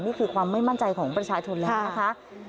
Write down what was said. นี่คือความไม่มั่นใจของประชาชนแล้วนะคะ